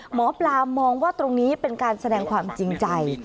หมอปลามองว่าตรงนี้เป็นการแสดงความจริงใจ